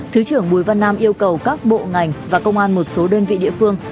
thứ trưởng bùi văn nam yêu cầu các bộ ngành và công an một số đơn vị địa phương